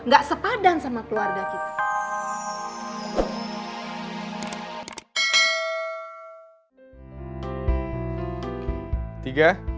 gak sepadan sama keluarga kita